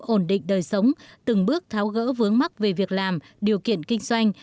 ổn định đời sống từng bước tháo gỡ vướng mắc về việc làm điều kiện kinh doanh